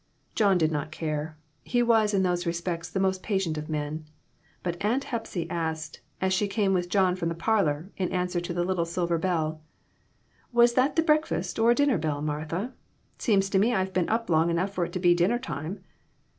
John did not care. He was in those respects the most patient of men ; but Aunt Hepsy asked, as she came with John from the parlor, in answer to the little silver bell "Was that the breakfast or dinner bell, Martha? Seems to me I've been up long enough for it to be dinner time."